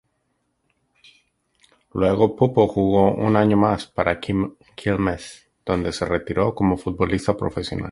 Luego Puppo jugó un año más para Quilmes, dónde se retiró como futbolista profesional.